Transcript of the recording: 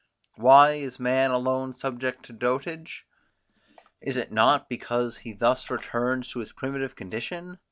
Why is man alone subject to dotage? Is it not, because he thus returns to his primitive condition?